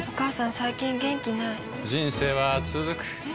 最近元気ない人生はつづくえ？